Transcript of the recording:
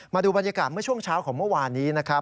มาดูบรรยากาศเมื่อช่วงเช้าของเมื่อวานนี้นะครับ